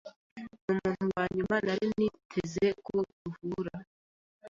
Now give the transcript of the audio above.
Numuntu wanyuma nari niteze ko duhura.